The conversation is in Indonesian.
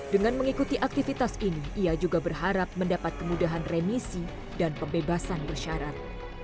dengan mengikuti aktivitas ini ia juga berharap mendapat kemudahan remisi dan pembebasan bersyarat